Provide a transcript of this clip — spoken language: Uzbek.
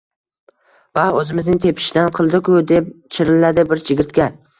– Vah! O‘zimizning tepishdan qildi-ku! – deb chirilladi bir chigirtka